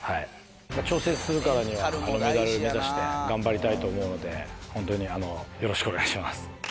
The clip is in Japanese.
挑戦するからにはメダル目指して頑張りたいと思うのでホントによろしくお願いします。